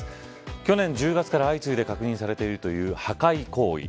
去年１０月から相次いで確認されているという破壊行為。